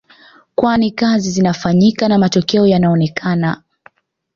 Kwani kazi zinafanyika na matokeo yanaonekana